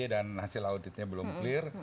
dan hasil auditnya belum clear